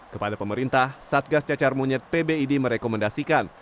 kepada pemerintah satgas cacar monyet pbid merekomendasikan